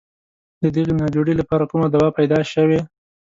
د دغې ناجوړې لپاره کومه دوا پیدا شوې.